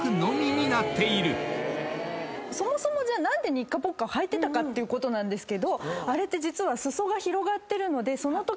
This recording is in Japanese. そもそも何でニッカポッカはいてたかっていうことなんですけどあれって実は。